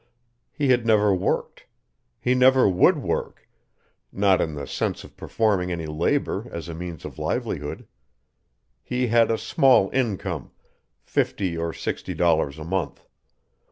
He had never worked. He never would work, not in the sense of performing any labor as a means of livelihood. He had a small income, fifty or sixty dollars a month.